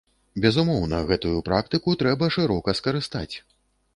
Безумоўна, гэтую практыку трэба шырока скарыстаць.